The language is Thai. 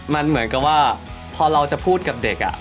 มันเหมือนกับว่าพอเราจะพูดกับเด็ก